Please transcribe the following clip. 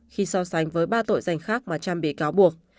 khi so sánh với ba tội danh khác mà cham bị cáo buộc